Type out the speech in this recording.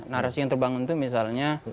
narasi yang terbangun itu misalnya